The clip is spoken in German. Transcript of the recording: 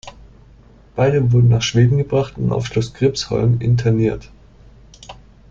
Beide wurden nach Schweden gebracht und auf Schloss Gripsholm interniert.